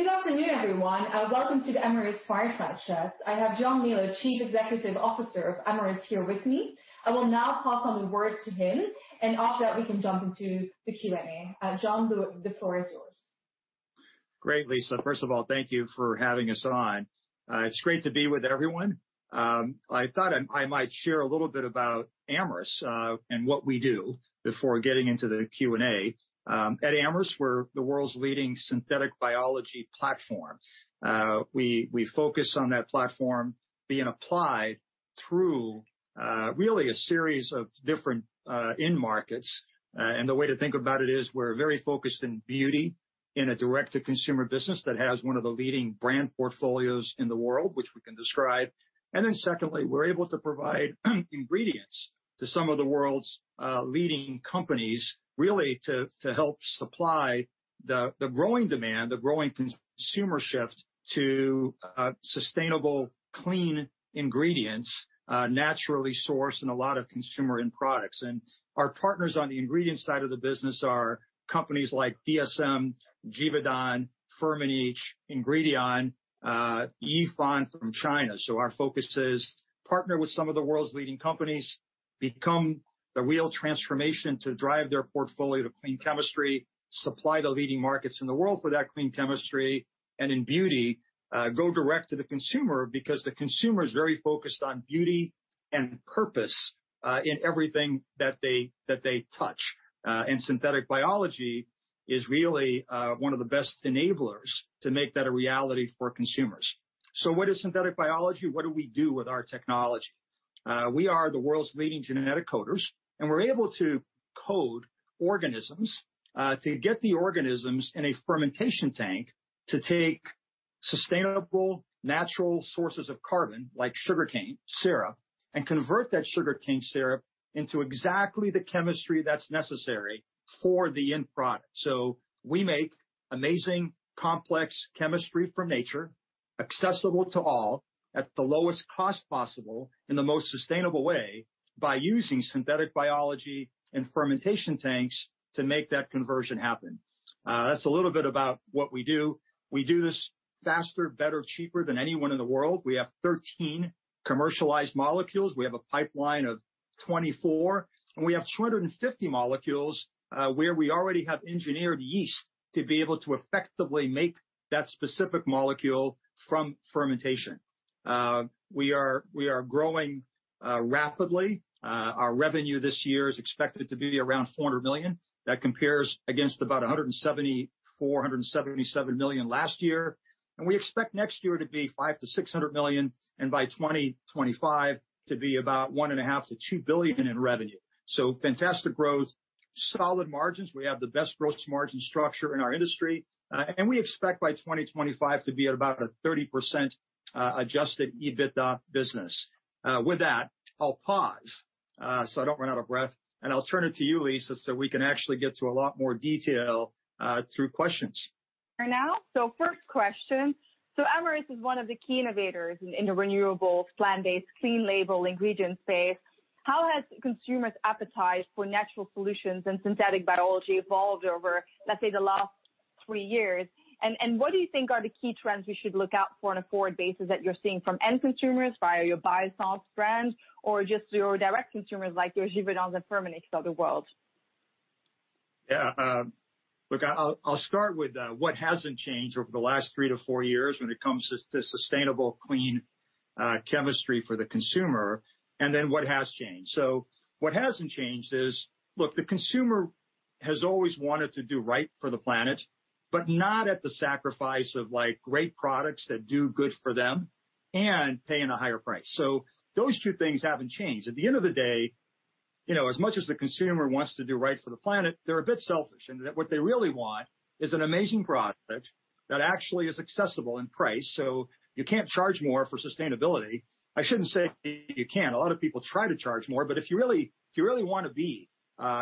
Good afternoon, everyone. Welcome to the Amyris Fireside Chat. I have John Melo, Chief Executive Officer of Amyris, here with me. I will now pass on the word to him, and after that, we can jump into the Q&A. John, the floor is yours. Great, Lisa. First of all, thank you for having us on. It's great to be with everyone. I thought I might share a little bit about Amyris and what we do before getting into the Q&A. At Amyris, we're the world's leading synthetic biology platform. We focus on that platform being applied through really a series of different end markets, and the way to think about it is we're very focused in beauty, in a direct-to-consumer business that has one of the leading brand portfolios in the world, which we can describe, and then secondly, we're able to provide ingredients to some of the world's leading companies, really to help supply the growing demand, the growing consumer shift to sustainable, clean ingredients, naturally sourced, and a lot of consumer-end products. And our partners on the ingredients side of the business are companies like DSM, Givaudan, Firmenich, Ingredion, Yifan from China. So our focus is to partner with some of the world's leading companies, become the real transformation to drive their portfolio to clean chemistry, supply the leading markets in the world for that clean chemistry, and in beauty, go direct to the consumer, because the consumer is very focused on beauty and purpose in everything that they touch. And synthetic biology is really one of the best enablers to make that a reality for consumers. So what is synthetic biology? What do we do with our technology? We are the world's leading genetic coders, and we're able to code organisms to get the organisms in a fermentation tank to take sustainable, natural sources of carbon, like sugarcane syrup, and convert that sugarcane syrup into exactly the chemistry that's necessary for the end product, so we make amazing, complex chemistry from nature, accessible to all at the lowest cost possible in the most sustainable way by using synthetic biology and fermentation tanks to make that conversion happen. That's a little bit about what we do. We do this faster, better, cheaper than anyone in the world. We have 13 commercialized molecules. We have a pipeline of 24, and we have 250 molecules where we already have engineered yeast to be able to effectively make that specific molecule from fermentation. We are growing rapidly. Our revenue this year is expected to be around 400 million. That compares against about 174 million-177 million last year. And we expect next year to be 500 million-600 million, and by 2025 to be about 1.5 billion-2 billion in revenue. So fantastic growth, solid margins. We have the best gross margin structure in our industry. And we expect by 2025 to be at about 30% adjusted EBITDA business. With that, I'll pause so I don't run out of breath, and I'll turn it to you, Lisa, so we can actually get to a lot more detail through questions. Now, so first question. So Amyris is one of the key innovators in the renewables, plant-based, clean-label ingredients space. How has consumers' appetite for natural solutions and synthetic biology evolved over, let's say, the last three years? And what do you think are the key trends we should look out for on a forward basis that you're seeing from end consumers via your Biossance brand or just your direct consumers like your Givaudans and Firmenich of the world? Yeah. Look, I'll start with what hasn't changed over the last three to four years when it comes to sustainable, clean chemistry for the consumer, and then what has changed. So what hasn't changed is, look, the consumer has always wanted to do right for the planet, but not at the sacrifice of great products that do good for them and paying a higher price, so those two things haven't changed. At the end of the day, as much as the consumer wants to do right for the planet, they're a bit selfish, and what they really want is an amazing product that actually is accessible in price, so you can't charge more for sustainability. I shouldn't say you can't. A lot of people try to charge more, but if you really want to be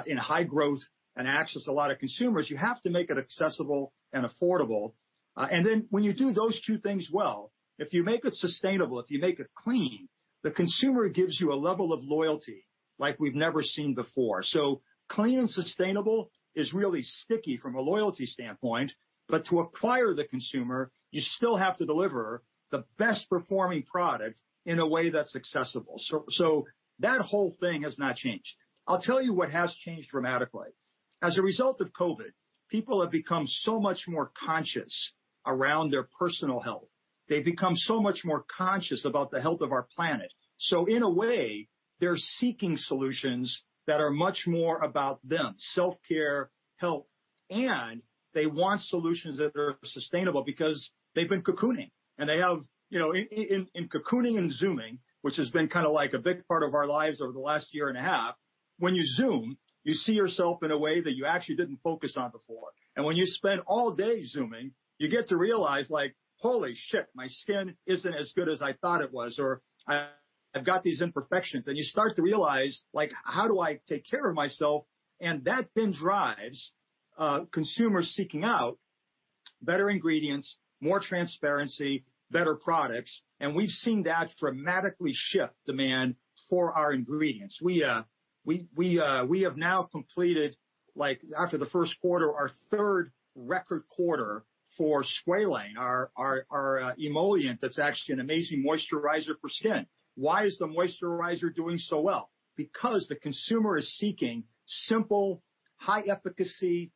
in high growth and access a lot of consumers, you have to make it accessible and affordable, and then when you do those two things well, if you make it sustainable, if you make it clean, the consumer gives you a level of loyalty like we've never seen before, so clean and sustainable is really sticky from a loyalty standpoint, but to acquire the consumer, you still have to deliver the best-performing product in a way that's accessible, so that whole thing has not changed. I'll tell you what has changed dramatically. As a result of COVID, people have become so much more conscious around their personal health. They've become so much more conscious about the health of our planet, so in a way, they're seeking solutions that are much more about them: self-care, health. They want solutions that are sustainable because they've been cocooning. In cocooning and zooming, which has been kind of like a big part of our lives over the last year and a half, when you zoom, you see yourself in a way that you actually didn't focus on before. When you spend all day zooming, you get to realize, like, "Holy shit, my skin isn't as good as I thought it was," or, "I've got these imperfections." You start to realize, like, "How do I take care of myself?" That then drives consumers seeking out better ingredients, more transparency, better products. We've seen that dramatically shift demand for our ingredients. We have now completed, after the first quarter, our third record quarter for squalane, our emollient that's actually an amazing moisturizer for skin. Why is the moisturizer doing so well? Because the consumer is seeking simple, high-efficacy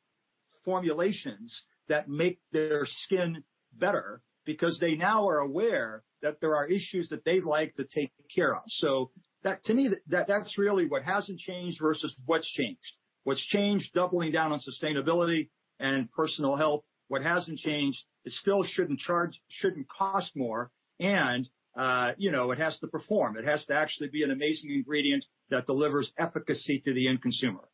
formulations that make their skin better because they now are aware that there are issues that they'd like to take care of, so to me, that's really what hasn't changed versus what's changed. What's changed is doubling down on sustainability and personal health. What hasn't changed is still shouldn't cost more, and it has to perform. It has to actually be an amazing ingredient that delivers efficacy to the end consumer.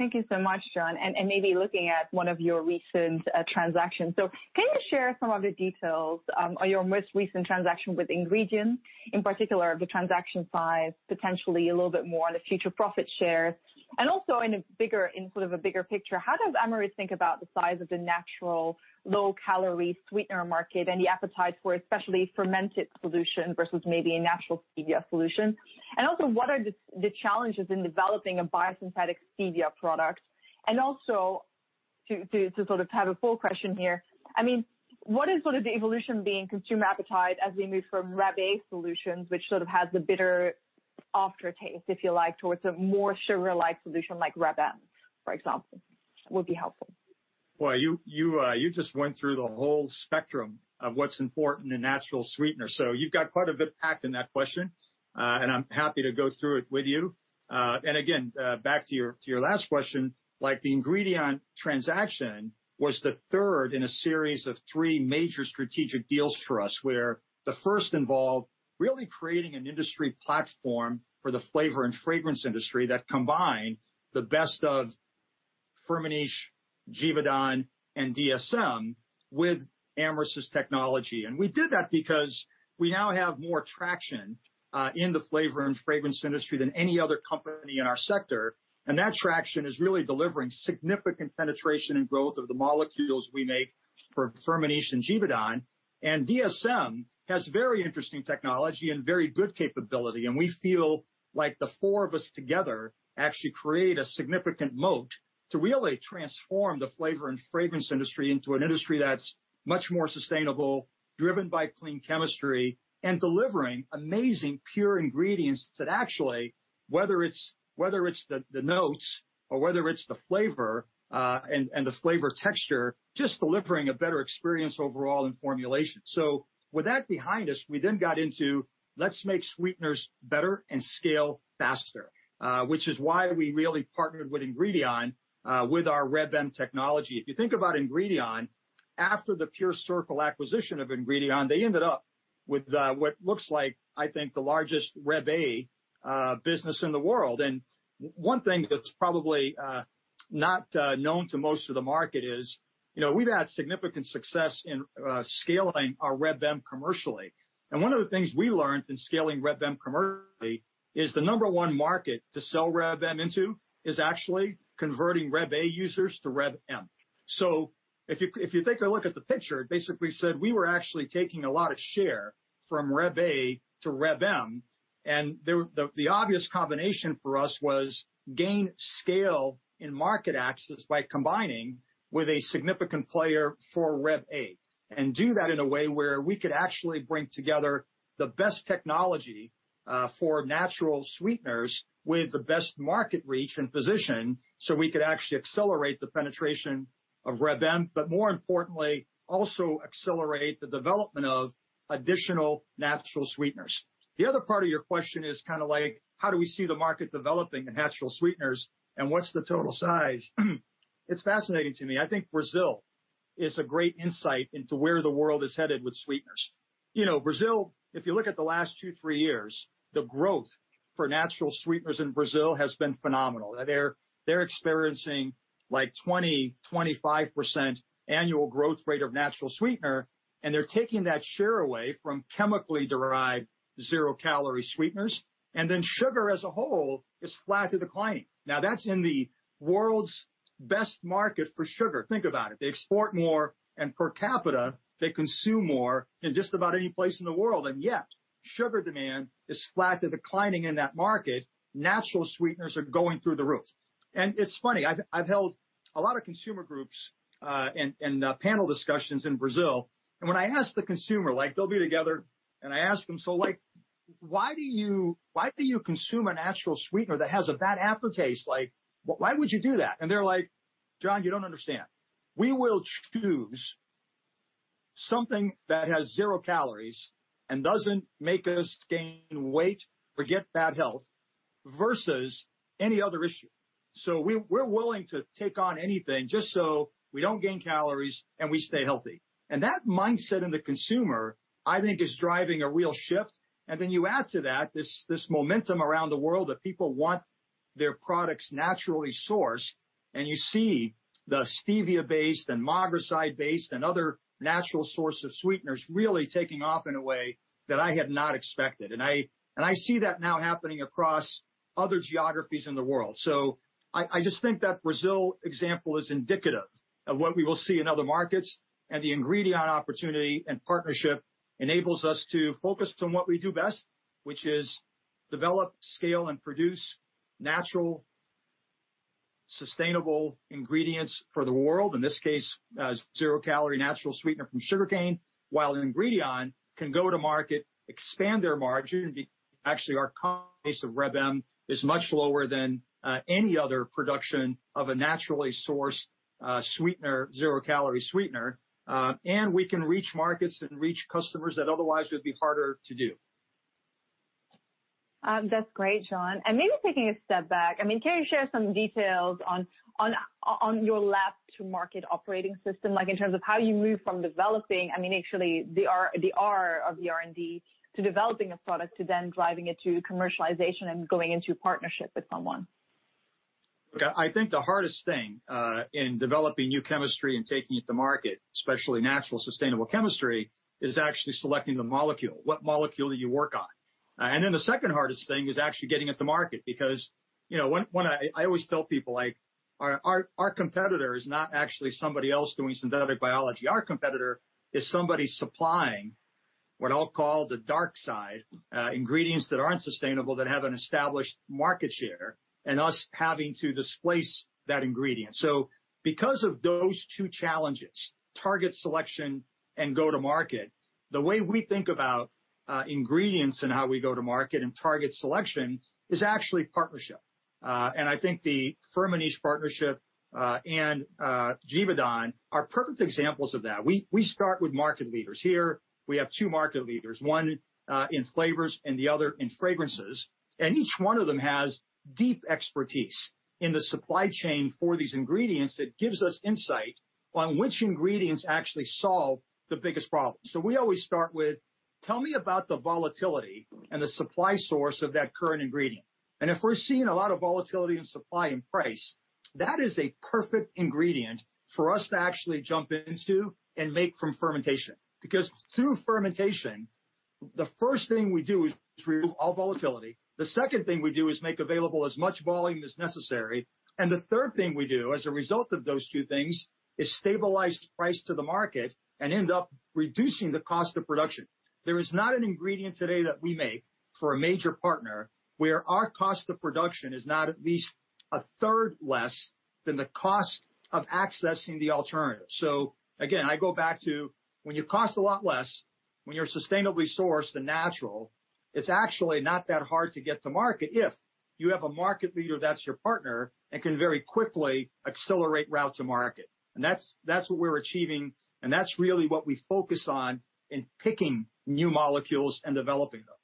Thank you so much, John, and maybe looking at one of your recent transactions, so can you share some of the details on your most recent transaction with Ingredion, in particular the transaction size, potentially a little bit more on the future profit share? And also in a bigger sort of a bigger picture, how does Amyris think about the size of the natural low-calorie sweetener market and the appetite for especially fermented solutions versus maybe a natural stevia solution? And also, what are the challenges in developing a biosynthetic stevia product? And also to sort of have a full question here, I mean, what is sort of the evolution being consumer appetite as we move from Reb A solutions, which sort of has the bitter aftertaste, if you like, towards a more sugar-like solution like Reb M, for example, would be helpful? You just went through the whole spectrum of what's important in natural sweeteners. You've got quite a bit packed in that question, and I'm happy to go through it with you. Again, back to your last question, like the Ingredion transaction was the third in a series of three major strategic deals for us, where the first involved really creating an industry platform for the flavor and fragrance industry that combined the best of Firmenich, Givaudan, and DSM with Amyris's technology. We did that because we now have more traction in the flavor and fragrance industry than any other company in our sector. That traction is really delivering significant penetration and growth of the molecules we make for Firmenich and Givaudan. DSM has very interesting technology and very good capability. We feel like the four of us together actually create a significant moat to really transform the flavor and fragrance industry into an industry that's much more sustainable, driven by clean chemistry, and delivering amazing pure ingredients that actually, whether it's the notes or whether it's the flavor and the flavor texture, just delivering a better experience overall in formulation. With that behind us, we then got into, let's make sweeteners better and scale faster, which is why we really partnered with Ingredion with our Reb M technology. If you think about Ingredion, after the PureCircle acquisition of Ingredion, they ended up with what looks like, I think, the largest Reb A business in the world. One thing that's probably not known to most of the market is we've had significant success in scaling our Reb M commercially. And one of the things we learned in scaling Reb M commercially is the number one market to sell Reb M into is actually converting Reb A users to Reb M. So if you take a look at the picture, it basically said we were actually taking a lot of share from Reb A to Reb M. And the obvious combination for us was gain scale in market access by combining with a significant player for Reb A and do that in a way where we could actually bring together the best technology for natural sweeteners with the best market reach and position so we could actually accelerate the penetration of Reb M, but more importantly, also accelerate the development of additional natural sweeteners. The other part of your question is kind of like, how do we see the market developing in natural sweeteners and what's the total size? It's fascinating to me. I think Brazil is a great insight into where the world is headed with sweeteners. Brazil, if you look at the last two, three years, the growth for natural sweeteners in Brazil has been phenomenal. They're experiencing like 20%, 25% annual growth rate of natural sweetener, and they're taking that share away from chemically derived zero-calorie sweeteners, and then sugar as a whole is flat to declining. Now, that's in the world's best market for sugar. Think about it. They export more, and per capita, they consume more in just about any place in the world, and yet sugar demand is flat to declining in that market. Natural sweeteners are going through the roof, and it's funny. I've held a lot of consumer groups and panel discussions in Brazil. When I ask the consumer, like they'll be together, and I ask them, "So why do you consume a natural sweetener that has a bad aftertaste? Like, why would you do that?" They're like, "John, you don't understand. We will choose something that has zero calories and doesn't make us gain weight or get bad health versus any other issue. So we're willing to take on anything just so we don't gain calories and we stay healthy." That mindset in the consumer, I think, is driving a real shift. Then you add to that this momentum around the world that people want their products naturally sourced, and you see the stevia-based and mogroside-based and other natural sources of sweeteners really taking off in a way that I had not expected. I see that now happening across other geographies in the world. So I just think that Brazil example is indicative of what we will see in other markets. And the Ingredion opportunity and partnership enables us to focus on what we do best, which is develop, scale, and produce natural, sustainable ingredients for the world, in this case, zero-calorie natural sweetener from sugarcane, while Ingredion can go to market, expand their margin. Actually, our cost base of Reb M is much lower than any other production of a naturally sourced sweetener, zero-calorie sweetener. And we can reach markets and reach customers that otherwise would be harder to do. That's great, John. And maybe taking a step back, I mean, can you share some details on your lab-to-market operating system, like in terms of how you move from developing, I mean, actually the R of the R&D to developing a product to then driving it to commercialization and going into partnership with someone? Look, I think the hardest thing in developing new chemistry and taking it to market, especially natural sustainable chemistry, is actually selecting the molecule. What molecule do you work on? And then the second hardest thing is actually getting it to market because I always tell people, like, "Our competitor is not actually somebody else doing synthetic biology. Our competitor is somebody supplying what I'll call the dark side, ingredients that aren't sustainable, that have an established market share, and us having to displace that ingredient." So because of those two challenges, target selection and go-to-market, the way we think about ingredients and how we go-to-market and target selection is actually partnership. And I think the Firmenich partnership and Givaudan are perfect examples of that. We start with market leaders. Here, we have two market leaders, one in flavors and the other in fragrances. Each one of them has deep expertise in the supply chain for these ingredients that gives us insight on which ingredients actually solve the biggest problem. We always start with, "Tell me about the volatility and the supply source of that current ingredient." If we're seeing a lot of volatility in supply and price, that is a perfect ingredient for us to actually jump into and make from fermentation. Because through fermentation, the first thing we do is remove all volatility. The second thing we do is make available as much volume as necessary. The third thing we do as a result of those two things is stabilize price to the market and end up reducing the cost of production. There is not an ingredient today that we make for a major partner where our cost of production is not at least a third less than the cost of accessing the alternative. So again, I go back to when you cost a lot less, when you're sustainably sourced and natural, it's actually not that hard to get to market if you have a market leader that's your partner and can very quickly accelerate route to market. And that's what we're achieving, and that's really what we focus on in picking new molecules and developing them.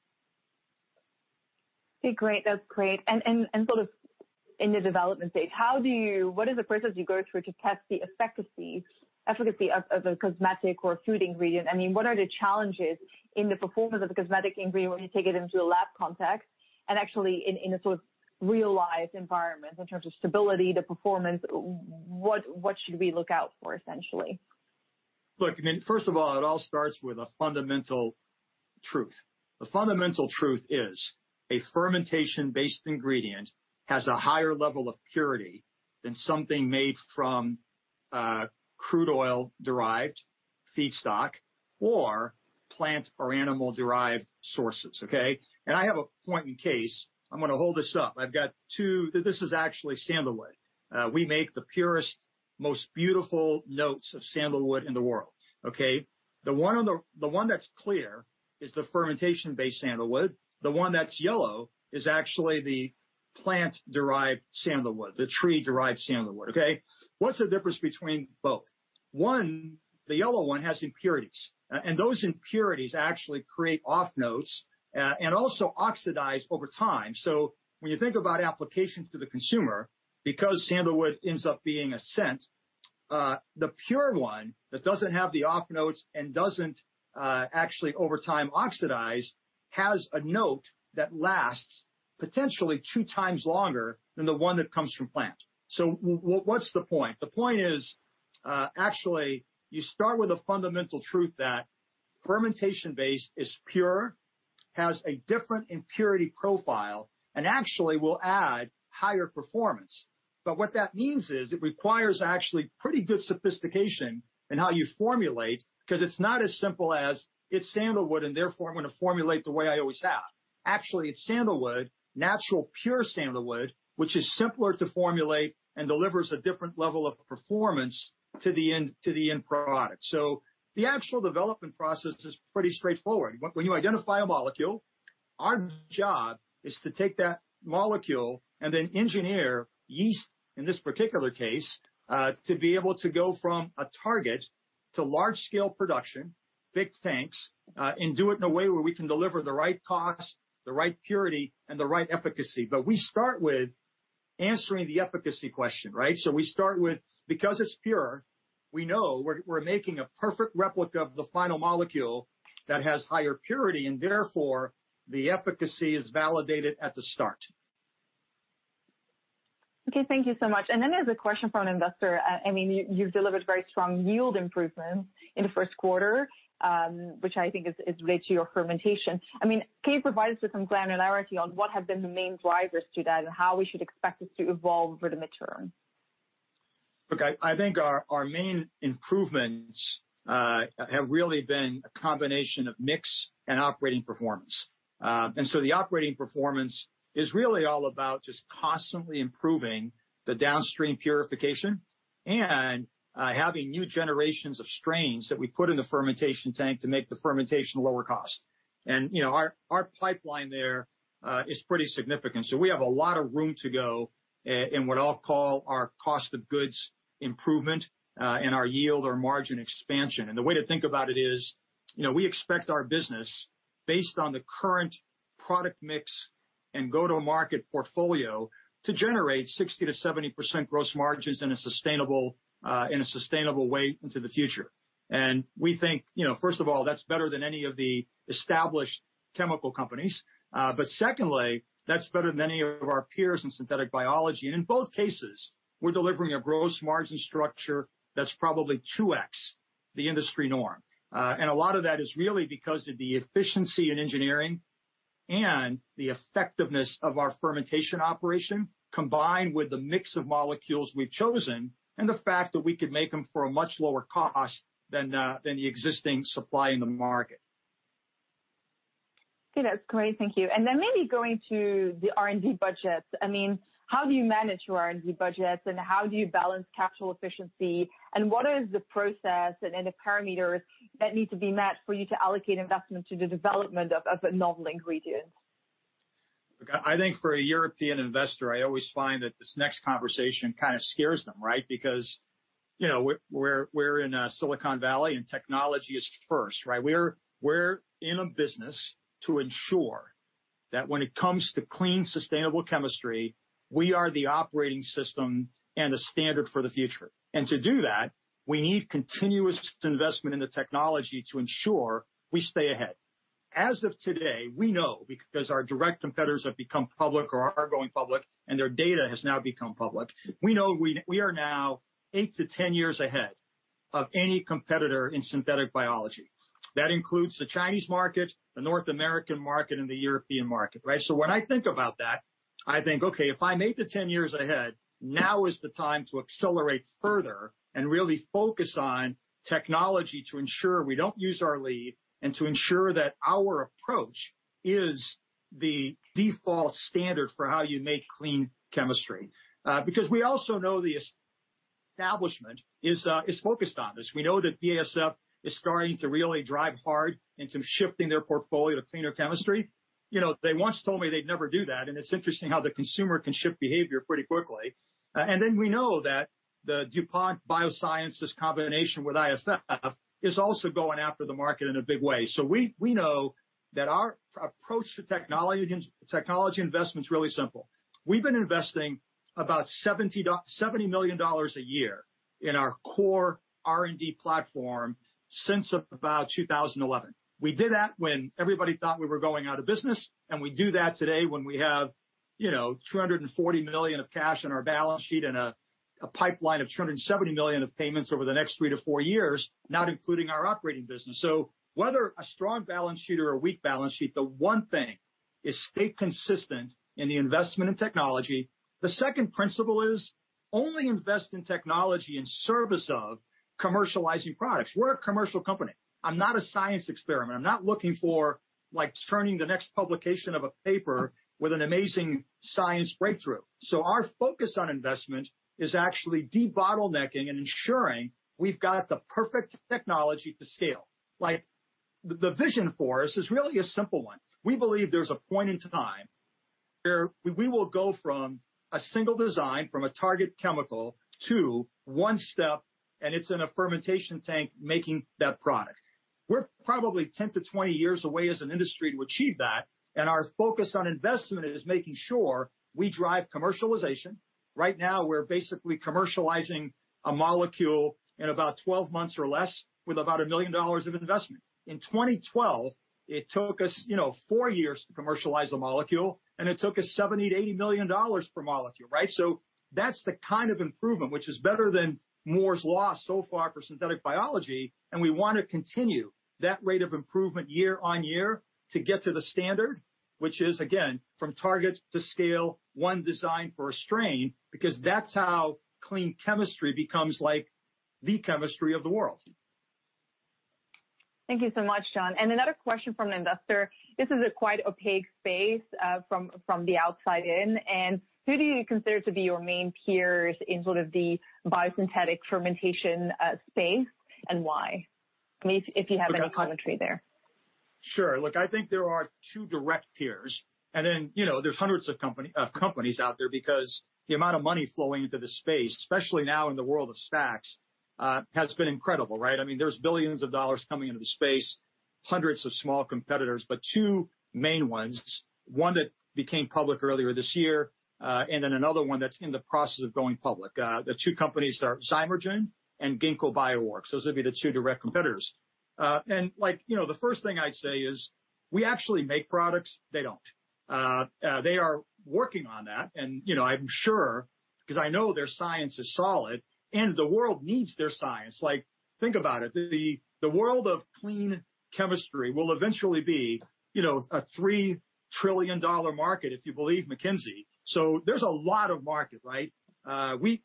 Okay, great. That's great, and sort of in the Development stage, what is the process you go through to test the efficacy of a cosmetic or food ingredient? I mean, what are the challenges in the performance of a cosmetic ingredient when you take it into a lab context and actually in a sort of real-life environment in terms of stability, the performance? What should we look out for, essentially? Look, first of all, it all starts with a fundamental truth. The fundamental truth is a fermentation-based ingredient has a higher level of purity than something made from crude oil-derived feedstock or plant or animal-derived sources, okay? And I have a point in case. I'm going to hold this up. I've got two—this is actually sandalwood. We make the purest, most beautiful notes of sandalwood in the world, okay? The one that's clear is the fermentation-based sandalwood. The one that's yellow is actually the plant-derived sandalwood, the tree-derived sandalwood, okay? What's the difference between both? One, the yellow one has impurities, and those impurities actually create off-notes and also oxidize over time. So when you think about applications to the consumer, because sandalwood ends up being a scent, the pure one that doesn't have the off-notes and doesn't actually over time oxidize has a note that lasts potentially two times longer than the one that comes from plant. So what's the point? The point is actually you start with a fundamental truth that fermentation-based is pure, has a different impurity profile, and actually will add higher performance. But what that means is it requires actually pretty good sophistication in how you formulate because it's not as simple as, "It's sandalwood, and therefore I'm going to formulate the way I always have." Actually, it's sandalwood, natural pure sandalwood, which is simpler to formulate and delivers a different level of performance to the end product. So the actual development process is pretty straightforward. When you identify a molecule, our job is to take that molecule and then engineer yeast, in this particular case, to be able to go from a target to large-scale production, big tanks, and do it in a way where we can deliver the right cost, the right purity, and the right efficacy. But we start with answering the efficacy question, right? So we start with, because it's pure, we know we're making a perfect replica of the final molecule that has higher purity, and therefore the efficacy is validated at the start. Okay, thank you so much. And then there's a question from an investor. I mean, you've delivered very strong yield improvements in the first quarter, which I think is related to your fermentation. I mean, can you provide us with some granularity on what have been the main drivers to that and how we should expect this to evolve over the midterm? Okay, I think our main improvements have really been a combination of mix and operating performance, and so the operating performance is really all about just constantly improving the downstream purification and having new generations of strains that we put in the fermentation tank to make the fermentation lower cost. And our pipeline there is pretty significant, so we have a lot of room to go in what I'll call our cost of goods improvement and our yield or margin expansion, and the way to think about it is we expect our business, based on the current product mix and go-to-market portfolio, to generate 60%-70% gross margins in a sustainable way into the future, and we think, first of all, that's better than any of the established chemical companies, but secondly, that's better than any of our peers in synthetic biology. And in both cases, we're delivering a gross margin structure that's probably 2x the industry norm. And a lot of that is really because of the efficiency in engineering and the effectiveness of our fermentation operation combined with the mix of molecules we've chosen and the fact that we could make them for a much lower cost than the existing supply in the market. Okay, that's great. Thank you. And then maybe going to the R&D budgets. I mean, how do you manage your R&D budgets and how do you balance capital efficiency? And what is the process and the parameters that need to be met for you to allocate investment to the development of a novel ingredient? I think for a European investor, I always find that this next conversation kind of scares them, right? Because we're in Silicon Valley and technology is first, right? We're in a business to ensure that when it comes to clean, sustainable chemistry, we are the operating system and the standard for the future. And to do that, we need continuous investment in the technology to ensure we stay ahead. As of today, we know because our direct competitors have become public or are going public, and their data has now become public. We know we are now 8-10 years ahead of any competitor in synthetic biology. That includes the Chinese market, the North American market, and the European market, right? So when I think about that, I think, "Okay, if I'm 8-10 years ahead, now is the time to accelerate further and really focus on technology to ensure we don't lose our lead and to ensure that our approach is the default standard for how you make clean chemistry." Because we also know the establishment is focused on this. We know that BASF is starting to really drive hard into shifting their portfolio to cleaner chemistry. They once told me they'd never do that, and it's interesting how the consumer can shift behavior pretty quickly. And then we know that the DuPont Biosciences combination with IFF is also going after the market in a big way. So we know that our approach to technology investment is really simple. We've been investing about EUR 70 million a year in our core R&D platform since about 2011. We did that when everybody thought we were going out of business, and we do that today when we have 240 million of cash on our balance sheet and a pipeline of 270 million of payments over the next three to four years, not including our operating business. So whether a strong balance sheet or a weak balance sheet, the one thing is stay consistent in the investment in technology. The second principle is only invest in technology in service of commercializing products. We're a commercial company. I'm not a science experiment. I'm not looking for turning the next publication of a paper with an amazing science breakthrough. So our focus on investment is actually debottlenecking and ensuring we've got the perfect technology to scale. The vision for us is really a simple one. We believe there's a point in time where we will go from a single design, from a target chemical to one step, and it's in a fermentation tank making that product. We're probably 10 to 20 years away as an industry to achieve that, and our focus on investment is making sure we drive commercialization. Right now, we're basically commercializing a molecule in about 12 months or less with about EUR 1 million of investment. In 2012, it took us four years to commercialize a molecule, and it took us EUR 70-EUR 80 million per molecule, right? So that's the kind of improvement, which is better than Moore's Law so far for synthetic biology, and we want to continue that rate of improvement year on year to get to the standard, which is, again, from target to scale, one design for a strain, because that's how clean chemistry becomes like the chemistry of the world. Thank you so much, John. And another question from an investor. This is a quite opaque space from the outside in. And who do you consider to be your main peers in sort of the biosynthetic fermentation space and why? I mean, if you have any commentary there. Sure. Look, I think there are two direct peers, and then there's hundreds of companies out there because the amount of money flowing into the space, especially now in the world of SPACs, has been incredible, right? I mean, there's billions of dollars coming into the space, hundreds of small competitors, but two main ones, one that became public earlier this year and then another one that's in the process of going public. The two companies are Zymergen and Ginkgo Bioworks. Those would be the two direct competitors. And the first thing I'd say is we actually make products; they don't. They are working on that, and I'm sure because I know their science is solid, and the world needs their science. Think about it. The world of clean chemistry will eventually be a EUR 3 trillion market, if you believe McKinsey. So there's a lot of market, right?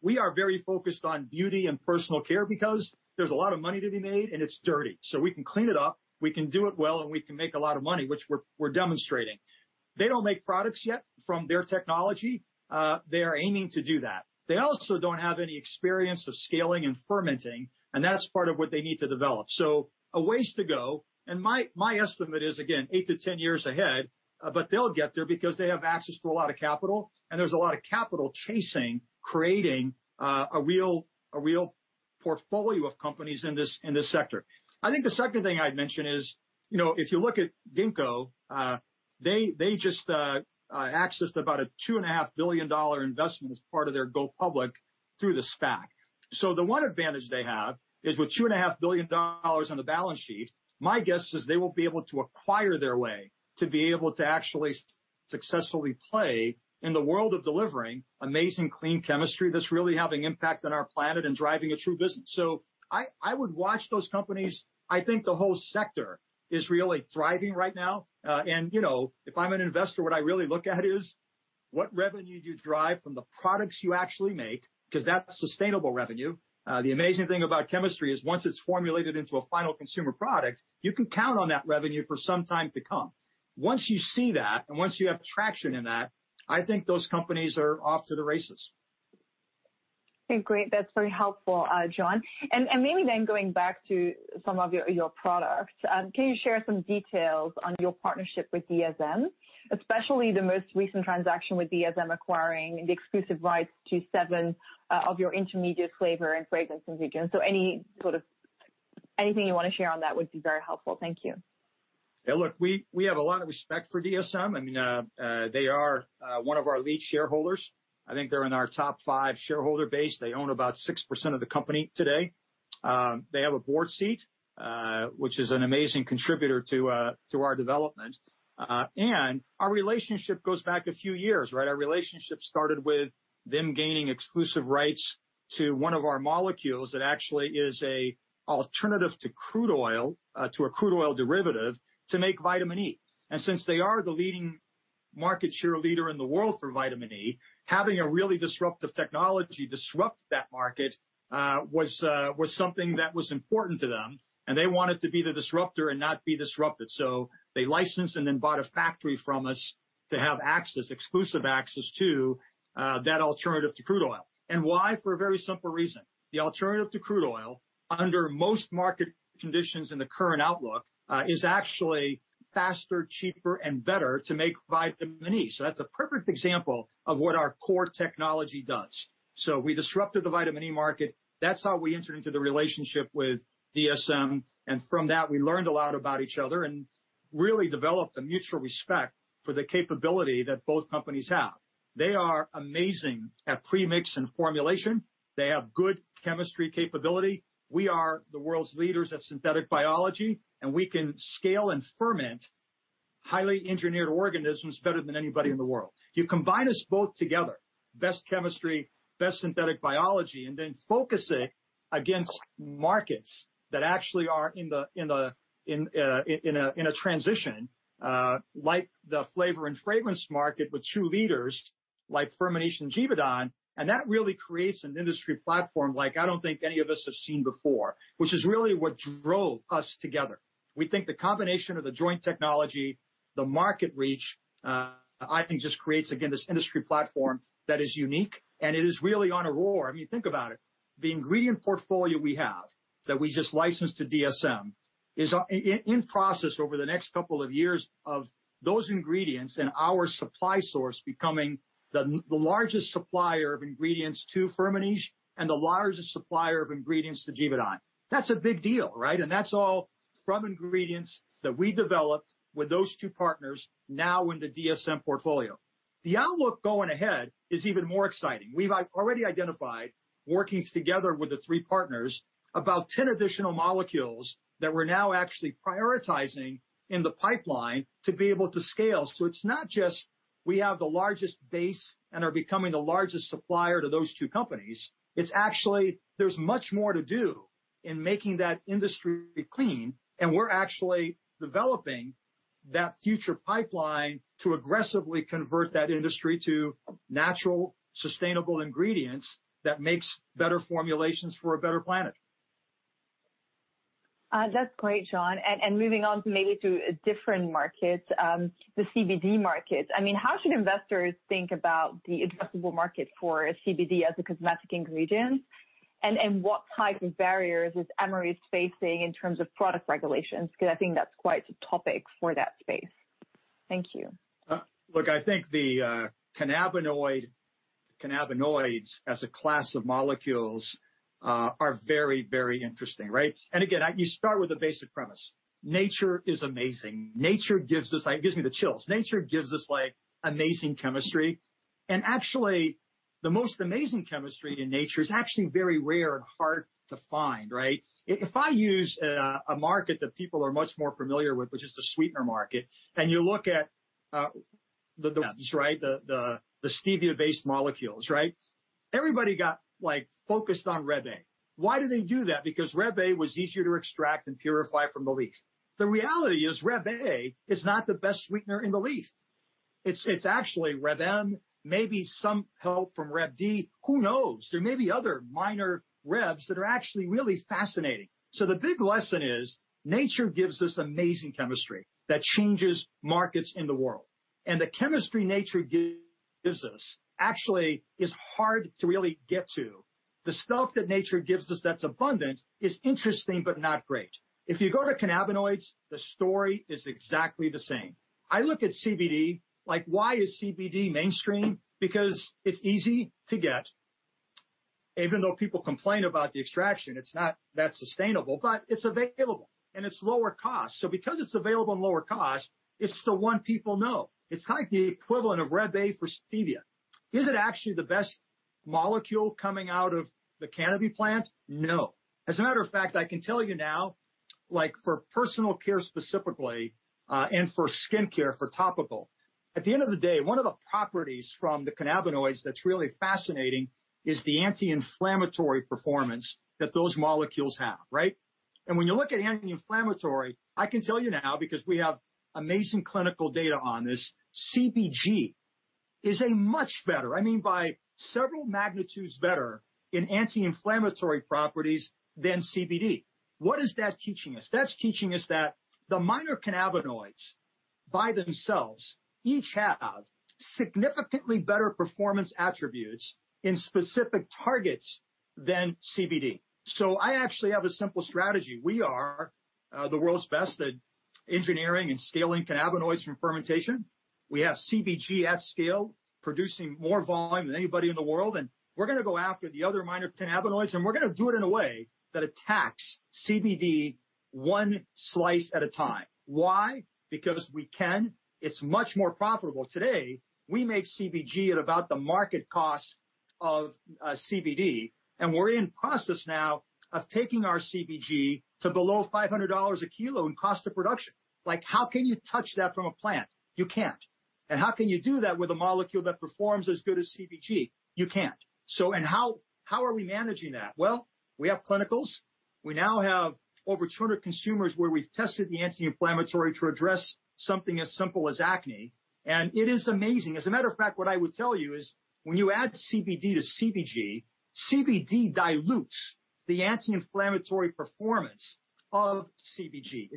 We are very focused on beauty and personal care because there's a lot of money to be made, and it's dirty. So we can clean it up, we can do it well, and we can make a lot of money, which we're demonstrating. They don't make products yet from their technology. They are aiming to do that. They also don't have any experience of scaling and fermenting, and that's part of what they need to develop. So a ways to go, and my estimate is, again, eight to 10 years ahead, but they'll get there because they have access to a lot of capital, and there's a lot of capital chasing, creating a real portfolio of companies in this sector. I think the second thing I'd mention is if you look at Ginkgo, they just accessed about a EUR 2.5 billion investment as part of their go-to-public through the SPAC. So the one advantage they have is with EUR 2.5 billion on the balance sheet, my guess is they will be able to acquire their way to be able to actually successfully play in the world of delivering amazing clean chemistry that's really having an impact on our planet and driving a true business. So I would watch those companies. I think the whole sector is really thriving right now. And if I'm an investor, what I really look at is what revenue do you drive from the products you actually make because that's sustainable revenue. The amazing thing about chemistry is once it's formulated into a final consumer product, you can count on that revenue for some time to come. Once you see that and once you have traction in that, I think those companies are off to the races. Okay, great. That's very helpful, John. And maybe then going back to some of your products, can you share some details on your partnership with BASF, especially the most recent transaction with BASF acquiring the exclusive rights to seven of your intermediate flavor and fragrance ingredients? So any sort of anything you want to share on that would be very helpful. Thank you. Yeah, look, we have a lot of respect for DSM. I mean, they are one of our lead shareholders. I think they're in our top five shareholder base. They own about 6% of the company today. They have a board seat, which is an amazing contributor to our development. And our relationship goes back a few years, right? Our relationship started with them gaining exclusive rights to one of our molecules that actually is an alternative to crude oil, to a crude oil derivative to make vitamin E. And since they are the leading market share leader in the world for vitamin E, having a really disruptive technology disrupt that market was something that was important to them, and they wanted to be the disruptor and not be disrupted. So they licensed and then bought a factory from us to have access, exclusive access to that alternative to crude oil. And why? For a very simple reason. The alternative to crude oil, under most market conditions in the current outlook, is actually faster, cheaper, and better to make Vitamin E. So that's a perfect example of what our core technology does. So we disrupted the vitamin E market. That's how we entered into the relationship with DSM, and from that, we learned a lot about each other and really developed a mutual respect for the capability that both companies have. They are amazing at premix and formulation. They have good chemistry capability. We are the world's leaders at synthetic biology, and we can scale and ferment highly engineered organisms better than anybody in the world. You combine us both together, best chemistry, best synthetic biology, and then focus it against markets that actually are in a transition, like the flavor and fragrance market with two leaders like Firmenich and Givaudan, and that really creates an industry platform like I don't think any of us have seen before, which is really what drove us together. We think the combination of the joint technology, the market reach, I think just creates, again, this industry platform that is unique, and it is really on a roll. I mean, think about it. The ingredient portfolio we have that we just licensed to DSM is in process over the next couple of years of those ingredients and our supply source becoming the largest supplier of ingredients to Firmenich and the largest supplier of ingredients to Givaudan. That's a big deal, right? And that's all from ingredients that we developed with those two partners now in the DSM portfolio. The outlook going ahead is even more exciting. We've already identified, working together with the three partners, about 10 additional molecules that we're now actually prioritizing in the pipeline to be able to scale. So it's not just we have the largest base and are becoming the largest supplier to those two companies. It's actually there's much more to do in making that industry clean, and we're actually developing that future pipeline to aggressively convert that industry to natural, sustainable ingredients that make better formulations for a better planet. That's great, John. Moving on to maybe different markets, the CBD market. I mean, how should investors think about the addressable market for CBD as a cosmetic ingredient? And what type of barriers is Amyris facing in terms of product regulations? Because I think that's quite a topic for that space. Thank you. Look, I think the cannabinoids as a class of molecules are very, very interesting, right? And again, you start with a basic premise. Nature is amazing. Nature gives us. It gives me the chills. Nature gives us amazing chemistry. And actually, the most amazing chemistry in nature is actually very rare and hard to find, right? If I use a market that people are much more familiar with, which is the sweetener market, and you look at the stevia-based molecules, right? Everybody got focused on Reb A. Why did they do that? Because Reb A was easier to extract and purify from the leaf. The reality is Reb A is not the best sweetener in the leaf. It's actually Reb M, maybe some help from Reb D. Who knows? There may be other minor Rebs that are actually really fascinating. So the big lesson is nature gives us amazing chemistry that changes markets in the world. And the chemistry nature gives us actually is hard to really get to. The stuff that nature gives us that's abundant is interesting, but not great. If you go to cannabinoids, the story is exactly the same. I look at CBD, like why is CBD mainstream? Because it's easy to get. Even though people complain about the extraction, it's not that sustainable, but it's available and it's lower cost. So because it's available and lower cost, it's the one people know. It's like the equivalent of Reb A for stevia. Is it actually the best molecule coming out of the cannabis plant? No. As a matter of fact, I can tell you now, like for personal care specifically and for skincare, for topical, at the end of the day, one of the properties from the cannabinoids that's really fascinating is the anti-inflammatory performance that those molecules have, right? And when you look at anti-inflammatory, I can tell you now because we have amazing clinical data on this, CBG is much better. I mean, by several magnitudes better in anti-inflammatory properties than CBD. What is that teaching us? That's teaching us that the minor cannabinoids by themselves each have significantly better performance attributes in specific targets than CBD. So I actually have a simple strategy. We are the world's best at engineering and scaling cannabinoids from fermentation. We have CBG at scale, producing more volume than anybody in the world, and we're going to go after the other minor cannabinoids, and we're going to do it in a way that attacks CBD one slice at a time. Why? Because we can. It's much more profitable. Today, we make CBG at about the market cost of CBD, and we're in process now of taking our CBG to below EUR 500 a kilo in cost of production. Like how can you touch that from a plant? You can't. And how can you do that with a molecule that performs as good as CBG? You can't. So how are we managing that? Well, we have clinicals. We now have over 200 consumers where we've tested the anti-inflammatory to address something as simple as acne, and it is amazing. As a matter of fact, what I would tell you is when you add CBD to CBG, CBD dilutes the anti-inflammatory performance of CBG.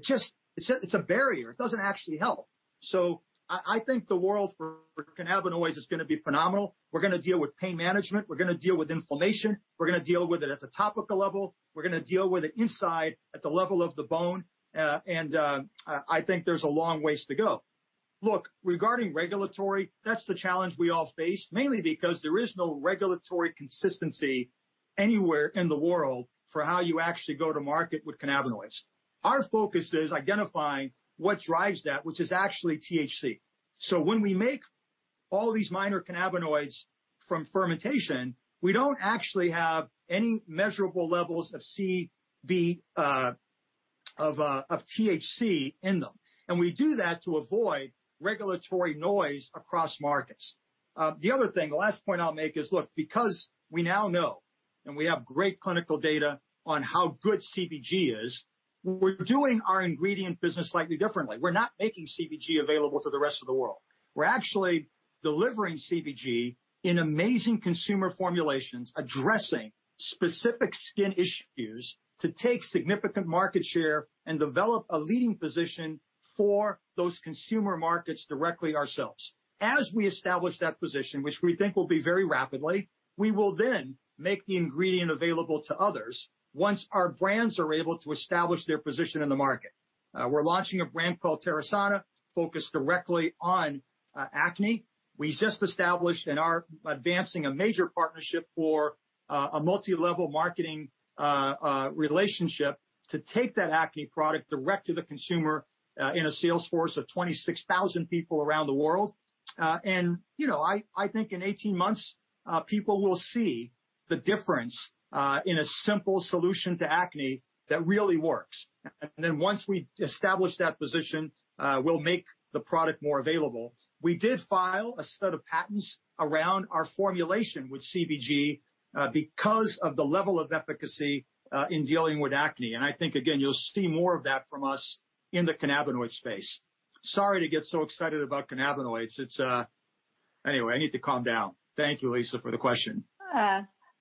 It's a barrier. It doesn't actually help. So I think the world for cannabinoids is going to be phenomenal. We're going to deal with pain management. We're going to deal with inflammation. We're going to deal with it at the topical level. We're going to deal with it inside at the level of the bone. And I think there's a long ways to go. Look, regarding regulatory, that's the challenge we all face, mainly because there is no regulatory consistency anywhere in the world for how you actually go to market with cannabinoids. Our focus is identifying what drives that, which is actually THC. So when we make all these minor cannabinoids from fermentation, we don't actually have any measurable levels of THC in them. We do that to avoid regulatory noise across markets. The other thing, the last point I'll make is, look, because we now know and we have great clinical data on how good CBG is, we're doing our ingredient business slightly differently. We're not making CBG available to the rest of the world. We're actually delivering CBG in amazing consumer formulations addressing specific skin issues to take significant market share and develop a leading position for those consumer markets directly ourselves. As we establish that position, which we think will be very rapidly, we will then make the ingredient available to others once our brands are able to establish their position in the market. We're launching a brand called Terasana focused directly on acne. We just established and are advancing a major partnership for a multi-level marketing relationship to take that acne product direct to the consumer in a sales force of 26,000 people around the world. And I think in 18 months, people will see the difference in a simple solution to acne that really works. And then once we establish that position, we'll make the product more available. We did file a set of patents around our formulation with CBG because of the level of efficacy in dealing with acne. And I think, again, you'll see more of that from us in the cannabinoid space. Sorry to get so excited about cannabinoids. Anyway, I need to calm down. Thank you, Lisa, for the question.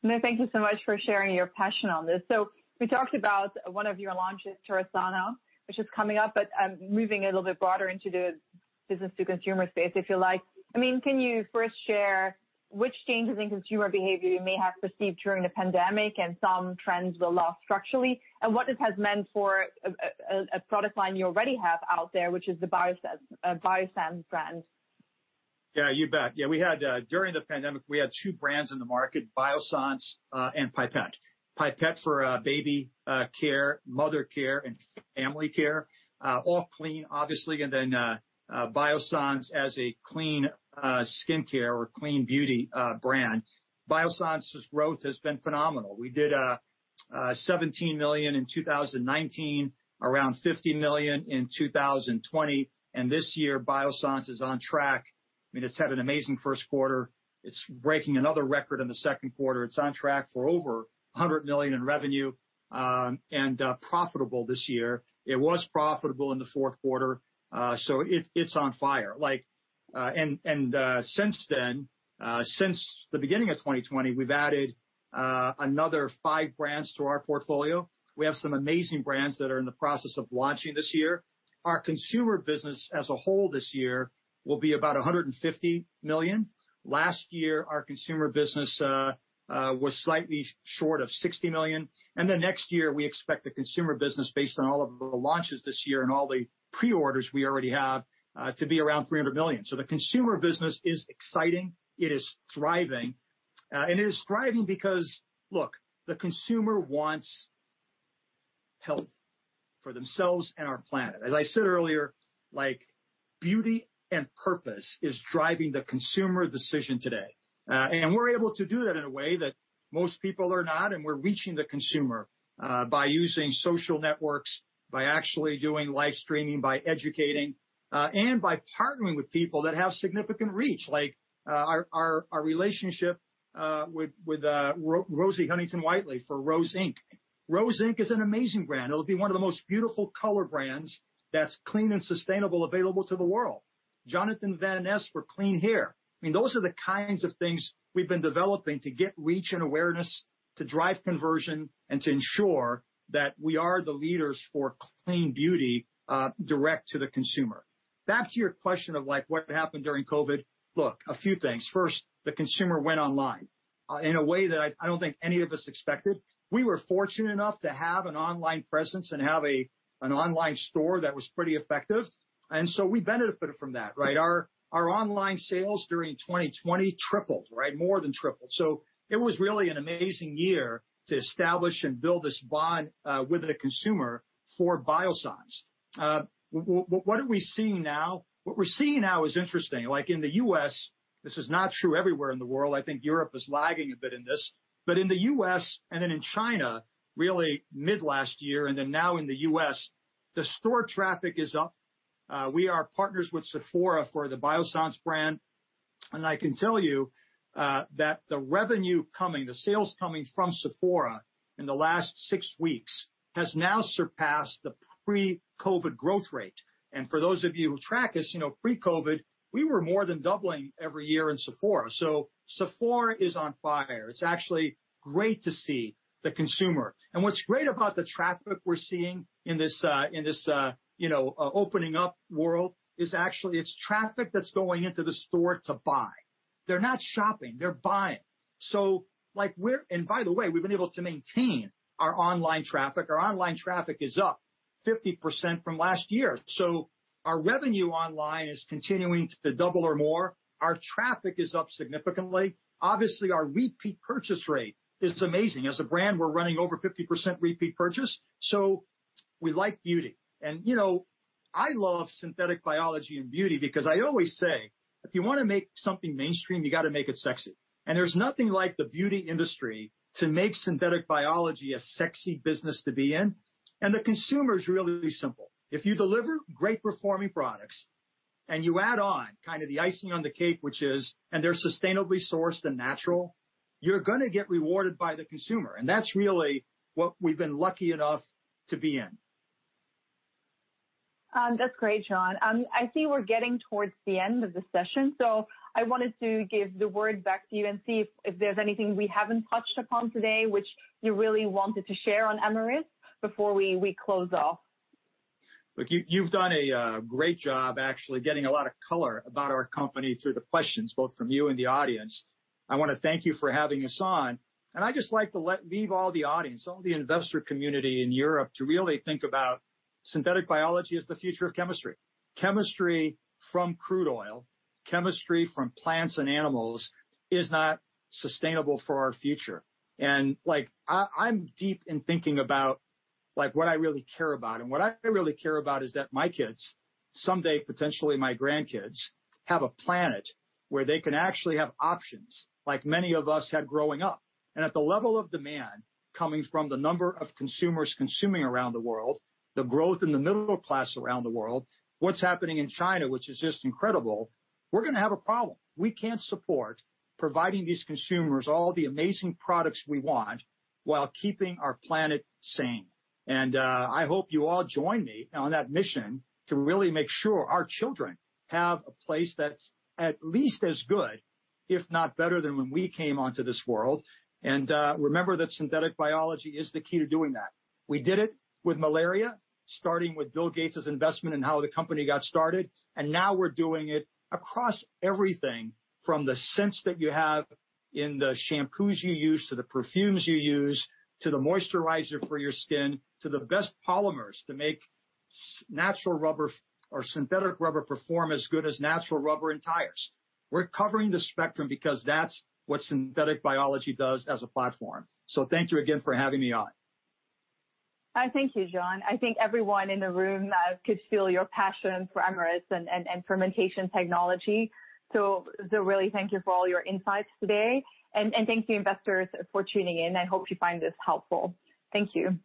No, thank you so much for sharing your passion on this. So we talked about one of your launches, Terasana, which is coming up, but moving a little bit broader into the business-to-consumer space, if you like. I mean, can you first share which changes in consumer behavior you may have perceived during the pandemic and some trends we'll lose structurally and what this has meant for a product line you already have out there, which is the Biossance brand? Yeah, you bet. Yeah, we had during the pandemic, we had two brands in the market, Biossance and Pipette. Pipette for baby care, mother care, and family care, all clean, obviously, and then Biossance as a clean skincare or clean beauty brand. Biossance's growth has been phenomenal. We did 17 million in 2019, around 50 million in 2020. And this year, Biossance is on track. I mean, it's had an amazing first quarter. It's breaking another record in the second quarter. It's on track for over 100 million in revenue and profitable this year. It was profitable in the fourth quarter. So it's on fire. And since then, since the beginning of 2020, we've added another five brands to our portfolio. We have some amazing brands that are in the process of launching this year. Our consumer business as a whole this year will be about 150 million. Last year, our consumer business was slightly short of 60 million. And then next year, we expect the consumer business, based on all of the launches this year and all the pre-orders we already have, to be around 300 million. So the consumer business is exciting. It is thriving. And it is thriving because, look, the consumer wants health for themselves and our planet. As I said earlier, beauty and purpose is driving the consumer decision today. And we're able to do that in a way that most people are not, and we're reaching the consumer by using social networks, by actually doing live streaming, by educating, and by partnering with people that have significant reach, like our relationship with Rosie Huntington-Whiteley for Rose Inc. Rose Inc is an amazing brand. It'll be one of the most beautiful color brands that's clean and sustainable available to the world. Jonathan Van Ness for clean hair. I mean, those are the kinds of things we've been developing to get reach and awareness, to drive conversion, and to ensure that we are the leaders for clean beauty direct to the consumer. Back to your question of what happened during COVID, look, a few things. First, the consumer went online in a way that I don't think any of us expected. We were fortunate enough to have an online presence and have an online store that was pretty effective. And so we benefited from that, right? Our online sales during 2020 tripled, right? More than tripled. So it was really an amazing year to establish and build this bond with the consumer for Biossance. What are we seeing now? What we're seeing now is interesting. Like in the U.S., this is not true everywhere in the world. I think Europe is lagging a bit in this. But in the U.S. and then in China, really mid-last year, and then now in the U.S., the store traffic is up. We are partners with Sephora for the Biossance brand. And I can tell you that the revenue coming, the sales coming from Sephora in the last six weeks has now surpassed the pre-COVID growth rate. And for those of you who track us, pre-COVID, we were more than doubling every year in Sephora. So Sephora is on fire. It's actually great to see the consumer. And what's great about the traffic we're seeing in this opening up world is actually it's traffic that's going into the store to buy. They're not shopping. They're buying. So by the way, we've been able to maintain our online traffic. Our online traffic is up 50% from last year. So our revenue online is continuing to double or more. Our traffic is up significantly. Obviously, our repeat purchase rate is amazing. As a brand, we're running over 50% repeat purchase. So we like beauty. And I love synthetic biology and beauty because I always say, if you want to make something mainstream, you got to make it sexy. And there's nothing like the beauty industry to make synthetic biology a sexy business to be in. And the consumer is really simple. If you deliver great performing products and you add on kind of the icing on the cake, which is, and they're sustainably sourced and natural, you're going to get rewarded by the consumer. And that's really what we've been lucky enough to be in. That's great, John. I see we're getting towards the end of the session. So I wanted to give the word back to you and see if there's anything we haven't touched upon today, which you really wanted to share on Amyris before we close off. Look, you've done a great job actually getting a lot of color about our company through the questions, both from you and the audience. I want to thank you for having us on. And I just like to leave all the audience, all the investor community in Europe to really think about synthetic biology as the future of chemistry. Chemistry from crude oil, chemistry from plants and animals is not sustainable for our future. And I'm deep in thinking about what I really care about. And what I really care about is that my kids, someday potentially my grandkids, have a planet where they can actually have options like many of us had growing up. At the level of demand coming from the number of consumers consuming around the world, the growth in the middle class around the world, what's happening in China, which is just incredible, we're going to have a problem. We can't support providing these consumers all the amazing products we want while keeping our planet sane. I hope you all join me on that mission to really make sure our children have a place that's at least as good, if not better than when we came onto this world. Remember that synthetic biology is the key to doing that. We did it with malaria, starting with Bill Gates' investment in how the company got started. And now we're doing it across everything from the scents that you have in the shampoos you use to the perfumes you use to the moisturizer for your skin to the best polymers to make natural rubber or synthetic rubber perform as good as natural rubber and tires. We're covering the spectrum because that's what synthetic biology does as a platform. So thank you again for having me on. Thank you, John. I think everyone in the room could feel your passion for Amyris and fermentation technology. So really thank you for all your insights today. And thank you, investors, for tuning in. I hope you find this helpful. Thank you.